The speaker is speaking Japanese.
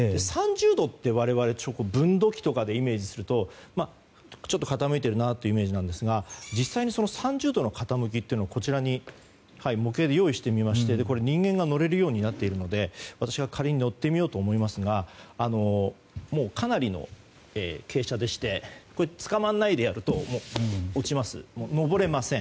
３０度って、我々分度器とかでイメージするとちょっと傾いているなというイメージですが実際に３０度の傾きというのを模型で用意してみまして人間が乗れるようになっているので仮に乗ってみようと思いますがかなりの傾斜でしてつかまらないでやると落ちます。